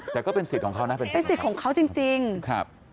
แต่ก็เป็นสิทธิ์ของเขานะเป็นสิทธิ์ของเขาจริงครับเป็นสิทธิ์ของเขาจริง